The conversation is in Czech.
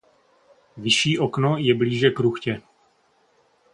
Vyšší okno je blíže kruchtě.